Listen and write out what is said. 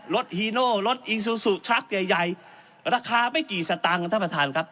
ฮีโน่รถอีซูซูทรัคใหญ่ใหญ่ราคาไม่กี่สตางค์ท่านประธานครับ